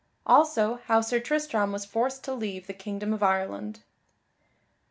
Also how Sir Tristram was forced to leave the Kingdom of Ireland.